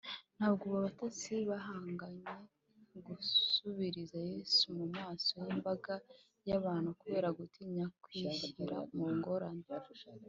ntabwo abo batasi bahangaye gusubiriza yesu mu maso y’imbaga y’abantu kubera gutinya kwishyira mu ngorane